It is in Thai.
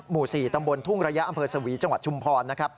หมู่๔ตำบลทุ่งระยะอำเภอสวีจังหวัดชุมพรนะครับ